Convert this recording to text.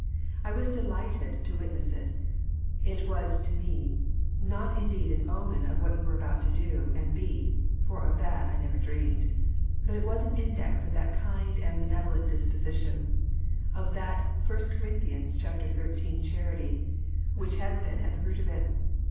I was delighted to witness it; it was to me not indeed an omen of what you were about to do and be (for of that I never dreamed), but it was an index of that kind and benevolent disposition, of that I Cor. xiii. Charity, which has been at the root of it."